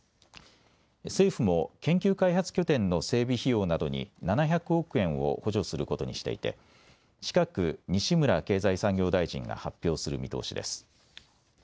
政府も研究開発拠点の整備費用などに７００億円を補助することにしていて近く西村経済産業大臣が発表する見通しです。